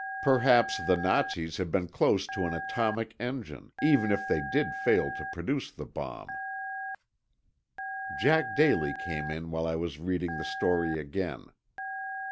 Perhaps the Nazis had been close to an atomic engine, even if they did fail to produce the bomb. Jack Daly came in while I was reading the story again.